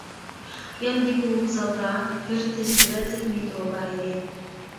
ياندىكى ۋوگزالدا بىر تېز سۈرەتلىك مېترو بار ئىدى.